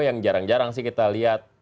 yang jarang jarang sih kita lihat